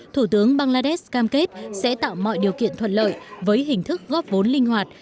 thủ tướng bangladesh cam kết sẽ tạo mọi điều kiện thuận lợi với hình thức góp vốn linh hoạt